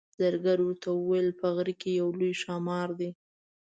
زرګر ورته وویل په غره کې یو لوی ښامار دی.